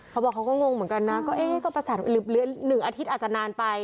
เขาบอกเขาก็งงเหมือนกันนะก็เอ๊ะก็ประสาน๑อาทิตย์อาจจะนานไป